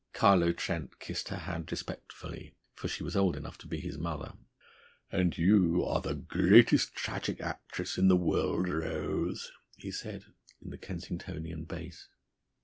Carlo Trent kissed her hand respectfully for she was old enough to be his mother. "And you are the greatest tragic actress in the world, Ra ose!" said he in the Kensingtonian bass.